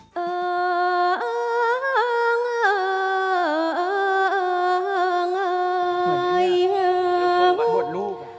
เหมือนแบบนี้น่ะเดี๋ยวผมมาหวดลูก